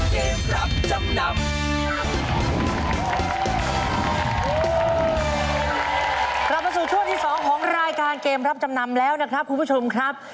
กลับมาสู่ช่วงที่สองของรายการเกมรับจำนำแล้วนะครับคุณผู้ชมครับ